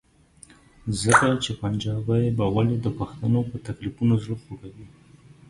ځکه چې پنجابی به ولې د پښتنو په تکلیفونو زړه خوږوي؟